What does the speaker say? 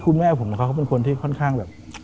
คุณแม่ผมก็เป็นคนที่ค่อนข้าง